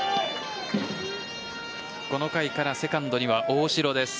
この回からセカンドには大城です。